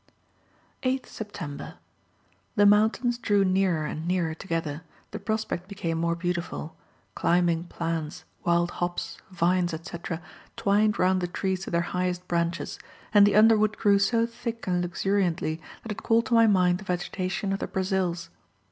8th September. The mountains drew nearer and nearer together, the prospect became more beautiful; climbing plants, wild hops, vines, etc., twined round the trees to their highest branches, and the underwood grew so thick and luxuriantly, that it called to my mind the vegetation of the Brazils.